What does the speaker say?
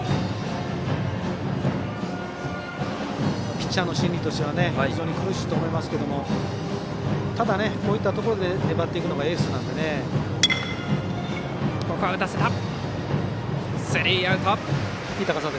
ピッチャーの心理としては非常に苦しいと思いますけどただ、こういったところで粘っていくのがスリーアウト。